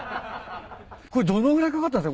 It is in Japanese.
これどのぐらいかかったんすか？